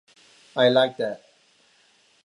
I like that.